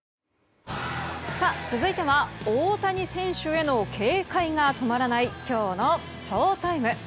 続いては大谷選手への警戒が止まらないきょうのＳＨＯＴＩＭＥ。